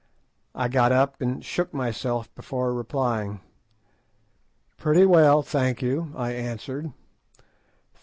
I got up and shook myself before replying. "Pretty well, thank you," I answered.